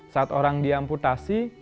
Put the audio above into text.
saat orang diamputasi